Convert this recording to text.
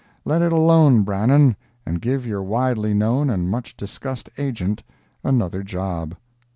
Let it alone, Brannan, and give your widely known and much discussed agent another job.